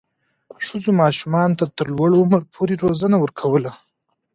ښځو ماشومانو ته تر لوړ عمر پورې روزنه ورکوله.